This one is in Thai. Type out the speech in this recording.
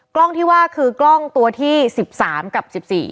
กล้องที่ว่าคือกล้องตัวที่๑๓กับ๑๔